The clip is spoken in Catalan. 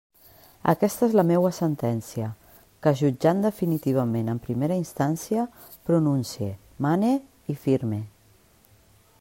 Aquesta és la meua sentència, que jutjant definitivament en primera instància pronuncie, mane i firme.